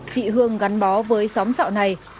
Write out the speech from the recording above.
chị hương gắn bó với xóm trọ này